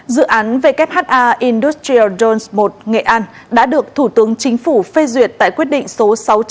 dự án vhha industrial drones i nghệ an đã được thủ tướng chính phủ phê duyệt tại quyết định số sáu trăm tám mươi một